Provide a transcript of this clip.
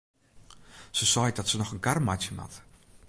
Se seit dat se noch in kar meitsje moat.